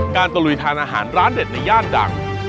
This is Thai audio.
ตะลุยทานอาหารร้านเด็ดในย่านดัง